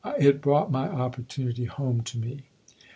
" It brought my opportunity home to me.